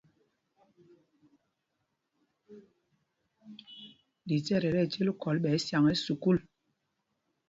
Lisɛt ɛ tí ɛcěl kɔl ɓɛ ɛsyaŋ ɛ́ sukûl.